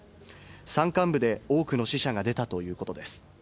山間部で多くの死者が出たということです。